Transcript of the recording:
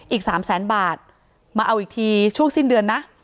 อีก๓แสนบาทมาเอาอีกทีช่วงสิ้นเดือนนะ